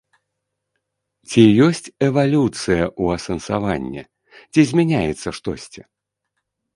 Ці ёсць эвалюцыя ў асэнсаванні, ці змяняецца штосьці?